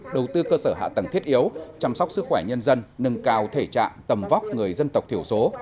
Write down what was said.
đầu tư cơ sở hạ tầng thiết yếu chăm sóc sức khỏe nhân dân nâng cao thể trạng tầm vóc người dân tộc thiểu số